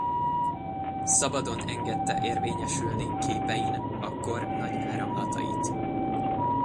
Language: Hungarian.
Szabadon engedte érvényesülni képein a kor nagy áramlatait.